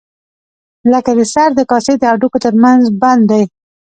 لکه د سر د کاسې د هډوکو تر منځ بند دی.